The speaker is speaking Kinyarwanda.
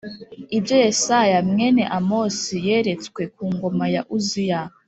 Ibyo Yesaya mwene Amosi yeretswe ku ngoma ya Uziya